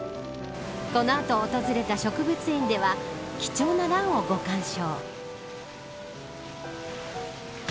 この後訪れた植物園では貴重なランをご鑑賞。